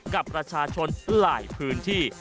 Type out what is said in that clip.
กับประชาชนหลายพื้นที่